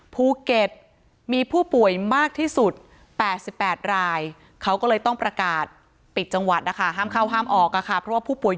ภูเก็ตมีผู้ป่วยมากที่สุด๘๘รายเขาก็เลยต้องประกาศปิดจังหวัดนะคะห้ามเข้าห้ามออกค่ะเพราะว่าผู้ป่วย